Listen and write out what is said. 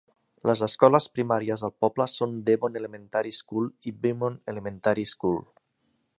Les escoles primàries del poble són Devon Elementary School i Beaumont Elementary School.